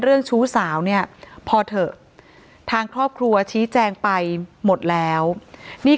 ชู้สาวเนี่ยพอเถอะทางครอบครัวชี้แจงไปหมดแล้วนี่